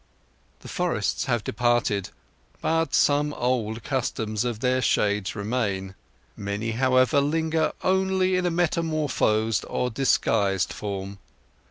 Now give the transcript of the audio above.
The forests have departed, but some old customs of their shades remain. Many, however, linger only in a metamorphosed or disguised form.